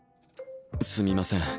すみません